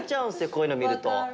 こういうのみると。